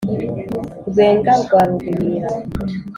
Rwenga rwa Rugumira